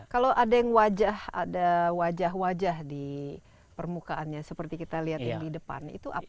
kalau ada yang wajah ada wajah wajah di permukaannya seperti kita lihat yang di depan itu apa